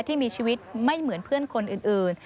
ที่มีชีวิตไม่เหมือนเพื่อนคนอื่น